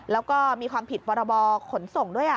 แล้วก็มีความผิดพรบขนส่งด้วย